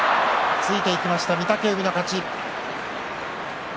突いていきました御嶽海の勝ち。